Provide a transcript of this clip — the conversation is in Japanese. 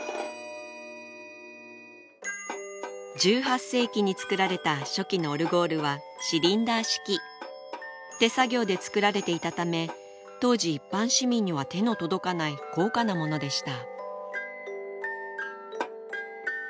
１８世紀に作られた初期のオルゴールはシリンダー式手作業で作られていたため当時一般市民には手の届かない高価なものでした